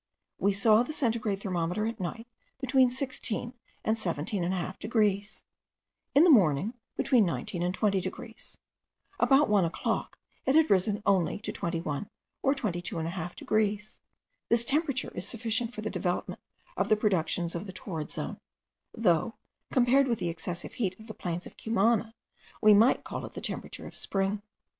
We saw the centigrade thermometer at midnight, between 16 and 17.5 degrees; in the morning, between 19 and 20 degrees. About one o'clock it had risen only to 21, or 22.5 degrees. This temperature is sufficient for the development of the productions of the torrid zone; though, compared with the excessive heat of the plains of Cumana, we might call it the temperature of spring.